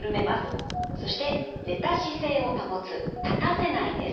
そして寝た姿勢を保つ・立たせないです。